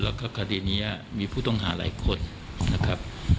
หรือถ้าคดีนี้นะครับมีผู้ต้องหาหลายคนครับ